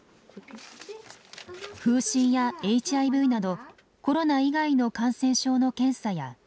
風疹やＨＩＶなどコロナ以外の感染症の検査や予防活動。